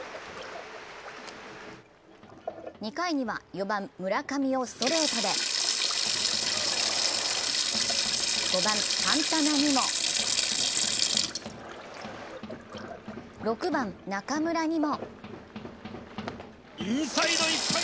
２回には４番・村上をストレートで５番・サンタナにも６番・中村にも！